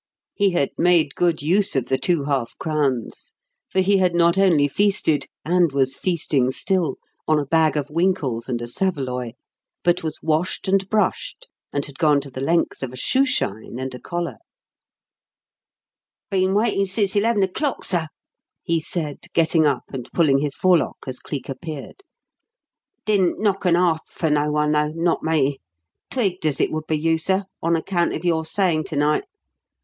He had made good use of the two half crowns, for he had not only feasted and was feasting still: on a bag of winkles and a saveloy but was washed and brushed and had gone to the length of a shoe shine and a collar. "Been waitin' since eleven o'clock, sir," he said, getting up and pulling his forelock as Cleek appeared. "Didn't knock and arsk for no one, though not me. Twigged as it would be you, sir, on account of your sayin' to night.